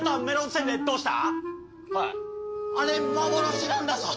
あれ幻なんだぞ！